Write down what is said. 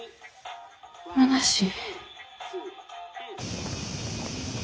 むなしい。